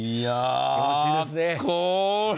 気持ちいいですね。